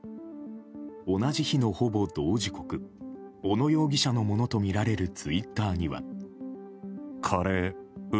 同じ日のほぼ同時刻小野容疑者のものとみられるツイッターには。